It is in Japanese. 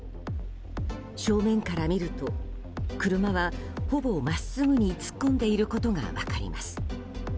正面から見ると車はほぼ真っすぐに突っ込んでいることが分かります。